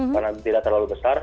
karena tidak terlalu besar